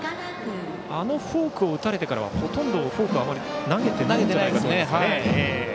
あのフォークを打たれてからはほとんどフォークはあまり投げていないですね。